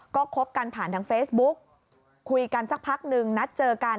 ก็คบกันผ่านทางเฟซบุ๊กคุยกันสักพักนึงนัดเจอกัน